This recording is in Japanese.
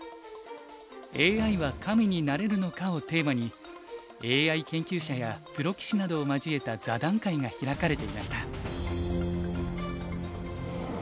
「ＡＩは神になれるのか？」をテーマにＡＩ研究者やプロ棋士などを交えた座談会が開かれていました。